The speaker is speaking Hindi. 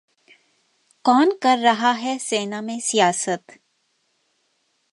कौन कर रहा है सेना में सियासत